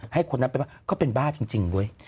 ให้คนนั้นเป็นว่าเขาเป็นบ้าจริงเว้ย